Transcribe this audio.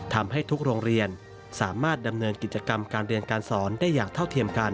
ทำให้ทุกโรงเรียนสามารถดำเนินกิจกรรมการเรียนการสอนได้อย่างเท่าเทียมกัน